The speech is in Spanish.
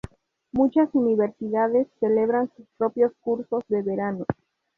Muchas universidades celebran sus propios cursos de verano.